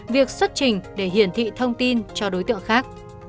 việc xuất trình để hiển thị thông tin cho đối tượng khác